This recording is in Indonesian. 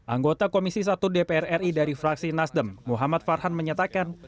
anggota komisi satu dpr ri dari fraksi nasdem muhammad farhan menyatakan